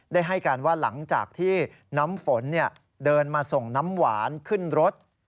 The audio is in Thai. ได้ให้การว่าหลังจากที่น้ำฝนเดินมาส่งน้ำหวานขึ้นรถ